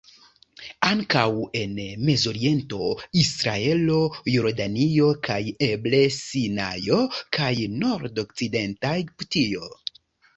Ankaŭ en Mezoriento, Israelo, Jordanio kaj eble Sinajo kaj Nordokcidenta Egiptio.